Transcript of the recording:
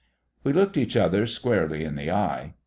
We looked each other squarely in the eye.